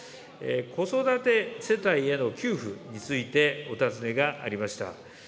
子育て世帯への給付について、お尋ねがありました。